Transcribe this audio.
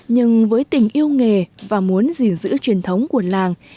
nhưng với tình yêu nghề và muốn giữ truyền thống của làng